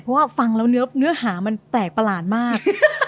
เพราะว่าฟังแล้วเนื้อหามันแปลกประหลาดมาก